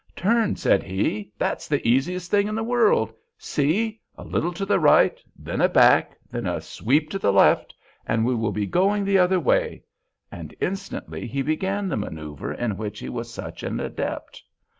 "Turn!" said he; "that's the easiest thing in the world. See; a little to the right, then a back, then a sweep to the left and we will be going the other way." And instantly he began the maneuver in which he was such an adept.